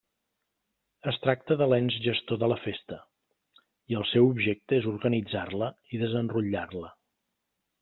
Es tracta de l'ens gestor de la festa, i el seu objecte és organitzar-la i desenrotllar-la.